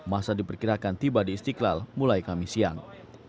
masa diperkirakan tiba di istiqlal mulai kamis siang